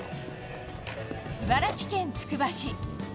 茨城県つくば市。